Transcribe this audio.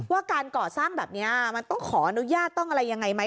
ว่าการก่อสร้างแบบนี้มันต้องขออนุญาตต้องอะไรยังไงไหม